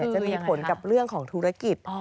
จะมีผลกับเรื่องของธุรกิจ